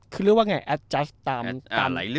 คือเรียกว่าไง